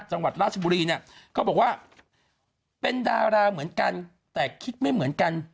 จังหวัดราชบุรีเนี่ยเขาบอกว่าเป็นดาราเหมือนกันแต่คิดไม่เหมือนกัน